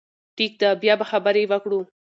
ټيک ده، بيا به خبرې وکړو